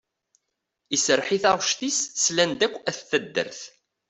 Iserreḥ i taɣect-is slan-d akk At taddart.